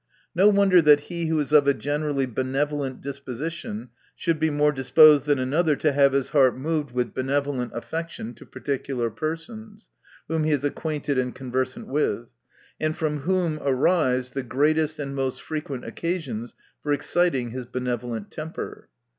No wonder, that he who is of a generally benevolent disposition, should be more disposed than another to have his heart moved with benevolent affection to particular persons, whom he is THE NATURE OF VIRTUE. 263 acquainted and conversant with, and from whom arise the greatest and most frequent occasions for exciting his benevolent temper.